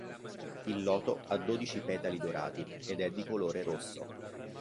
Il loto ha dodici petali dorati ed è di colore rosso.